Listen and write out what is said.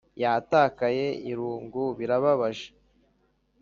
yatakaye, irungu, birababaje